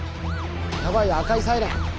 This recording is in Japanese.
やばいよ赤いサイレン！